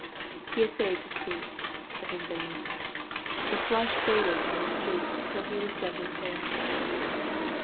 He essayed to speak, but in vain. The flush faded from his cheek till he was deadly pale.